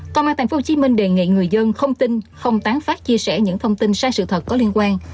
công an tp hcm đề nghị người dân không tin không tán phát chia sẻ những thông tin sai sự thật có liên quan